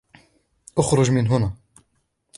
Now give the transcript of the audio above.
إخرج من هنا.